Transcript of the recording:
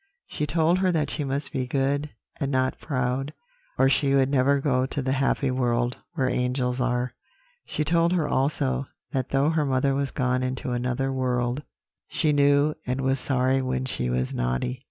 She told her that she must be good, and not proud, or she would never go to the happy world where angels are. She told her also, that though her mother was gone into another world, she knew and was sorry when she was naughty.